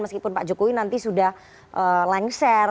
meskipun pak jokowi nanti sudah lengser